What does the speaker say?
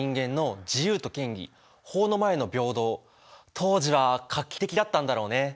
当時は画期的だったんだろうね。